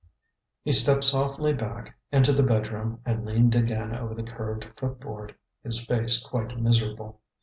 He stepped softly back into the bedroom and leaned again over the curved footboard, his face quite miserable.